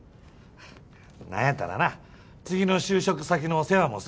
なんやったらな次の就職先の世話もするし。